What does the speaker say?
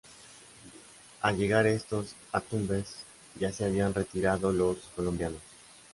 Al llegar estos a Tumbes, ya se habían retirado los colombianos.